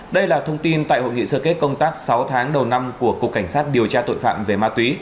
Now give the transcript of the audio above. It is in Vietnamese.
đây là thông tin tại hội nghị sơ kết công tác sáu tháng đầu năm của cục cảnh sát điều tra tội phạm về ma túy